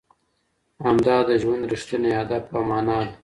همدا د ژوند رښتینی هدف او مانا ده.